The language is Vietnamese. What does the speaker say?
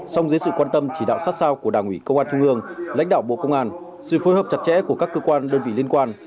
song dưới sự quan tâm chỉ đạo sát sao của đảng ủy công an trung ương lãnh đạo bộ công an sự phối hợp chặt chẽ của các cơ quan đơn vị liên quan